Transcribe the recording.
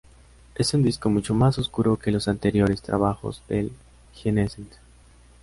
Es un disco mucho más oscuro que los anteriores trabajos del jienense.